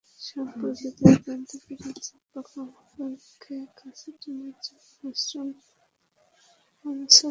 সম্প্রতি তাঁরা জানতে পেরেছেন, পোকামাকড়কে কাছে টানার জন্যই মাশরুম আলো ছড়ায়।